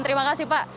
terima kasih pak